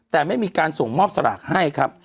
แต่ไม่มีการส่งมอบสลากให้ครับ